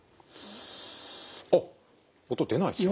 あっ音出ないですね。